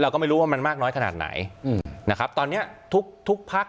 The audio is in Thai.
ก็ไม่รู้ว่ามันมากน้อยขนาดไหนอืมนะครับตอนเนี้ยทุกทุกพัก